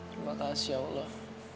terima kasih ya allah